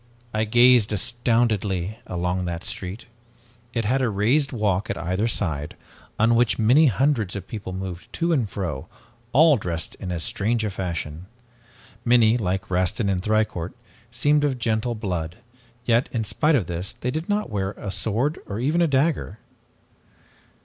"I gazed astoundedly along that street. It had a raised walk at either side, on which many hundreds of people moved to and fro, all dressed in as strange a fashion. Many, like Rastin and Thicourt, seemed of gentle blood, yet, in spite of this, they did not wear a sword or even a dagger.